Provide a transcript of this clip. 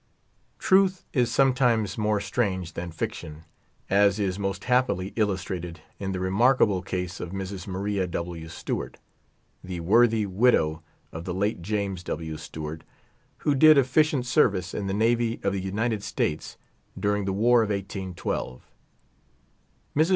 Truth is sometimes more strange that fiction, as is most happily illustrated in the remarkable case of Mrs. Maria W. Stewart, the worthy widow of the late James AY. Stewart, who did efficient service in the Navy of the United States during the war of 1812. Mrs.